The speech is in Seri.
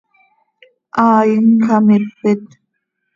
Haai nxamipit.